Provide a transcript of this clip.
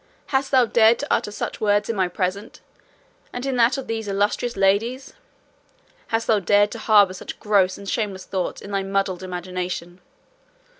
Hast thou dared to utter such words in my presence and in that of these illustrious ladies? Hast thou dared to harbour such gross and shameless thoughts in thy muddled imagination?